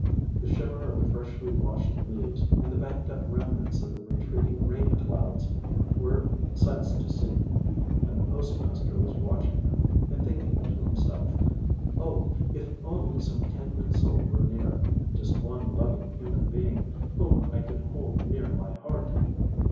The shimmer of the freshly washed leaves, and the banked up remnants of the retreating rain clouds were sights to see; and the postmaster was watching them, and thinking to himself: 'Oh, if only some kindred soul were near just one loving human being whom I could hold near my heart!'